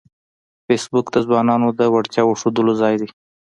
فېسبوک د ځوانانو د وړتیاوو ښودلو ځای دی